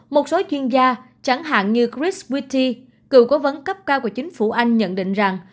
một số chuyên gia chẳng hạn như chris witti cựu cố vấn cấp cao của chính phủ anh nhận định rằng